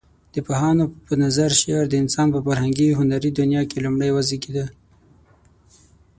د پوهانو په نظر شعر د انسان په فرهنګي هنري دنيا کې لومړى وزيږيده.